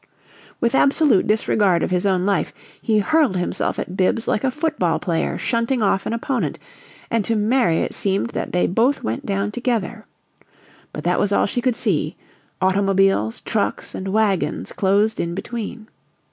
With absolute disregard of his own life, he hurled himself at Bibbs like a football player shunting off an opponent, and to Mary it seemed that they both went down together. But that was all she could see automobiles, trucks, and wagons closed in between.